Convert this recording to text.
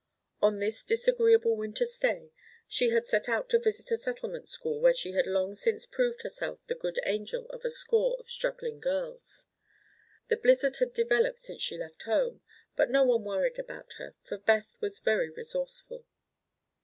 On this disagreeable winter's day she had set out to visit a settlement school where she had long since proved herself the good angel of a score of struggling girls. The blizzard had developed since she left home, but no one worried about her, for Beth was very resourceful.